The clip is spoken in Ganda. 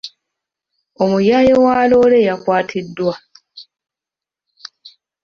Omuyaaye wa loole yakwatiddwa.